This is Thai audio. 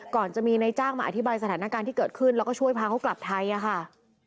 ก่อนจะมีนายจ้างมาอธิบายสถานการณ์ที่เกิดขึ้นแล้วก็ช่วยพาเขากลับไทยค่ะ